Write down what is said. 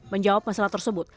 menjawab masalah tersebut